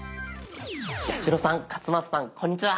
八代さん勝俣さんこんにちは。